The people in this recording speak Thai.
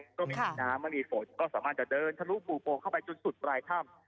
ก็ไม่มีน้ำไม่มีฝนก็สามารถจะเดินทะลุฟูโป่งเข้าไปจนสุดปลายถ้ำ